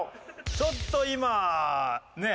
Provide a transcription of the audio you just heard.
ちょっと今ねえ